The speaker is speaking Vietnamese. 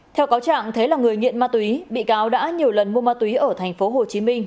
theo cáo trạng thế là người nghiện ma túy bị cáo đã nhiều lần mua ma túy ở thành phố hồ chí minh